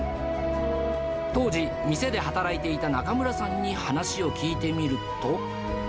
当時、店で働いていた中村さんに話を聞いてみると。